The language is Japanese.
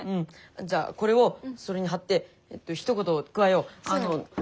じゃあこれをそれに貼ってひと言加えよう。